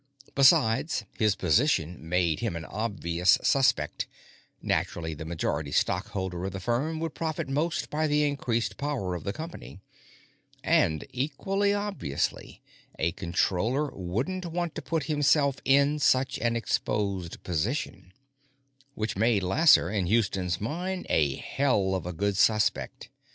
Besides, his position made him an obvious suspect; naturally, the majority stockholder of the firm would profit most by the increased power of the company. And, equally obviously, a Controller wouldn't want to put himself in such an exposed position. Which made Lasser, in Houston's mind, a hell of a good suspect.